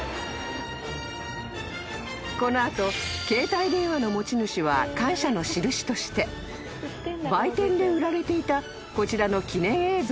［この後携帯電話の持ち主は感謝のしるしとして売店で売られていたこちらの記念映像を購入］